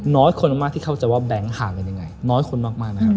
น้อยคนมากที่เข้าใจว่าแบงเอ์คห่างเงินยังไง